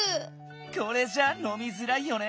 これじゃあのみづらいよね。